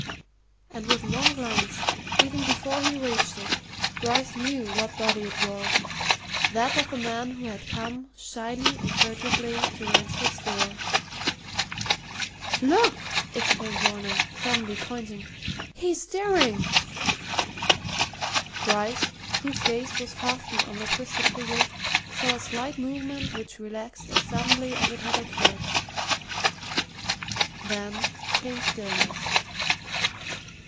And with one glance, even before he reached it, Bryce knew what body it was that of the man who had come, shyly and furtively, to Ransford's door. "Look!" exclaimed Varner, suddenly pointing. "He's stirring!" Bryce, whose gaze was fastened on the twisted figure, saw a slight movement which relaxed as suddenly as it had occurred. Then came stillness.